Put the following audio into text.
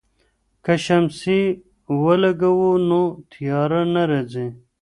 که شمسی ولګوو نو تیاره نه راځي.